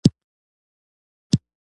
د یوه کار په برخه کې صفت او تایید وکړي.